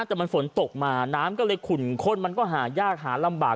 แต่มันฝนตกมาน้ำก็เลยขุ่นข้นมันก็หายากหาลำบาก